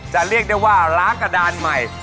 เรียกได้ว่าล้างกระดานใหม่